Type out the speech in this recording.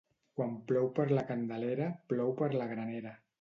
Quan plou per la Candelera, plou per la granera.